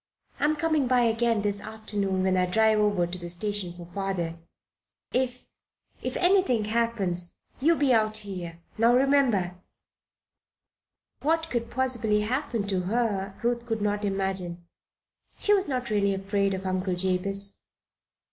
"I'm coming by again this afternoon when I drive over to the station for father. If if anything happens you be out here now remember!" What could possibly happen to her, Ruth could not imagine. She was not really afraid of Uncle Jabez.